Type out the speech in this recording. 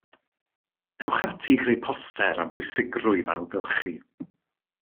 Ewch ati i greu poster am bwysigrwydd ailgylchu